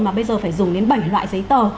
mà bây giờ phải dùng đến bảy loại giấy tờ